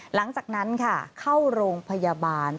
หลังจากนั้นค่ะเข้าโรงพยาบาล